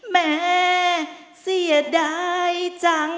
แม่เสียดายจัง